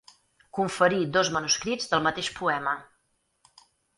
Conferir dos manuscrits del mateix poema.